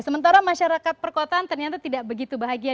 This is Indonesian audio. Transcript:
sementara masyarakat perkotaan ternyata tidak begitu bahagia